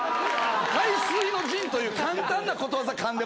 背水の陣という簡単なことわざかんでます。